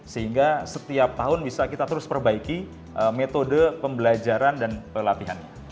sehingga setiap tahun bisa kita terus perbaiki metode pembelajaran dan pelatihannya